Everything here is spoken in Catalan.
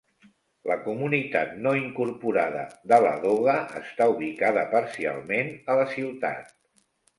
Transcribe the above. La comunitat no incorporada de Ladoga està ubicada parcialment a la ciutat.